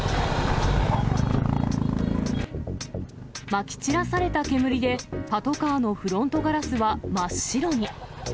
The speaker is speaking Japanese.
まき散らされた煙で、パトカーのフロントガラスは真っ白に。